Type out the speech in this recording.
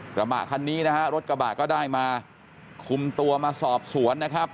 กระบะคันนี้นะฮะรถกระบะก็ได้มาคุมตัวมาสอบสวนนะครับ